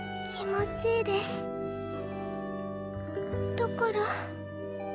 だから